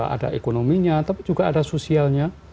ada ekonominya tapi juga ada sosialnya